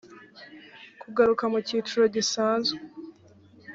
kugaruka mu cyiciro gisanzwe